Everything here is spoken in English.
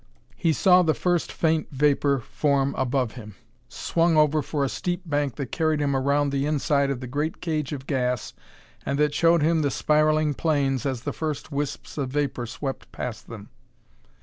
He saw the first faint vapor form above him; swung over for a steep bank that carried him around the inside of the great cage of gas and that showed him the spiraling planes as the first wisps of vapor swept past them.